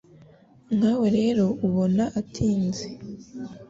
Nkawe rero ubona atinze